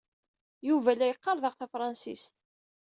Yuba la yeqqar daɣ tafṛensist.